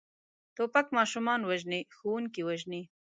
توپک ماشومان وژني، ښوونکي وژني.